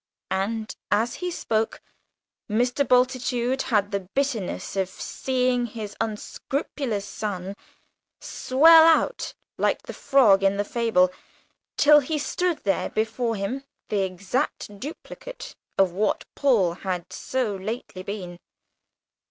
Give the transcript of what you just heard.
And as he spoke, Mr. Bultitude had the bitterness of seeing his unscrupulous son swell out like the frog in the fable, till he stood there before him the exact duplicate of what Paul had so lately been!